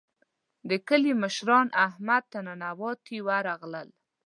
د کلي مشران احمد ته ننواتې ورغلل.